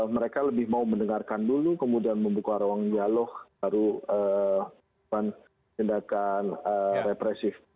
mereka lebih mau mendengarkan dulu kemudian membuka ruang dialog baru tindakan represif